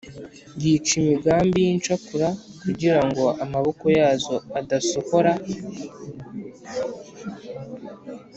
Yica imigambi y’incakura kugirango amaboko yazo adasohora